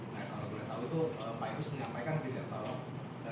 nah kalau boleh tahu itu pak agus menyampaikan tidak